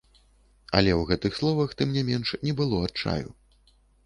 Але ў гэтых словах, тым не менш, не было адчаю.